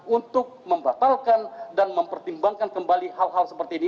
untuk membatalkan dan mempertimbangkan kembali hal hal seperti ini